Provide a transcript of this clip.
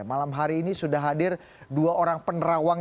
malam hari ini sudah hadir dua orang penerawang